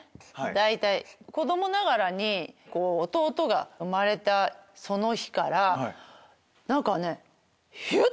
子供ながらに弟が生まれたその日から何かねヒュ！